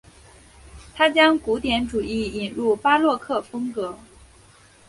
他将古典主义引入巴洛克风格。